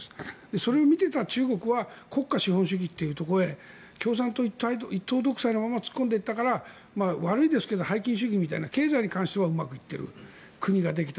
それを見ていた中国は国家資本主義というところへ共産党一党独裁のまま突っ込んでいったから悪いですけど拝金主義みたいな経済に関してはうまくいっている国ができた。